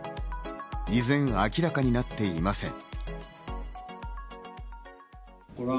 依然、明らかになっていません。